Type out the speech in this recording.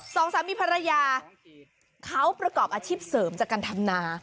สองสามีภรรยาเขาประกอบอาชีพเสริมจากการทำนา